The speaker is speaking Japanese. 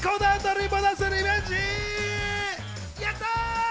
やった！